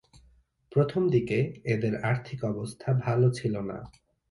প্রথমদিকে এঁদের আর্থিক অবস্থা ভালো ছিল না।